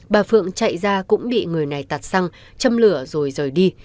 bà phượng chạy ra cũng bị người này tặt xăng châm lửa rồi rời đi